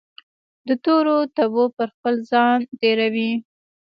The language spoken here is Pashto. دتورو تبو پرخپل ځان تیروي